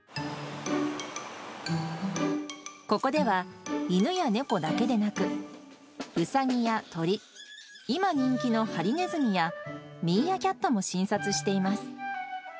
ここでは、犬や猫だけでなく、ウサギや鳥、今人気のハリネズミやミーアキャットも診察しています。